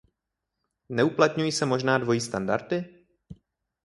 Neuplatňují se možná dvojí standardy?